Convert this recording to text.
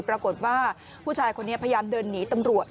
ปรากฏว่าผู้ชายคนนี้พยายามเดินหนีตำรวจ